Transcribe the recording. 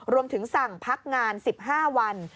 รวมถึงสั่งพักงาน๑๕วัน